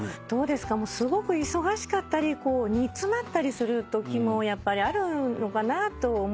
すごく忙しかったり煮詰まったりするときもやっぱりあるのかなと思うんです。